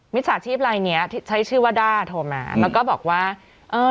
ฉาชีพลายเนี้ยใช้ชื่อว่าด้าโทรมาแล้วก็บอกว่าเอ่อ